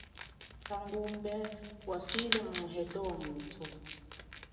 Kangumbe wafile mumu heto wamuthu.